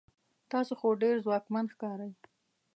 تاسو خو ډیر ځواکمن ښکارئ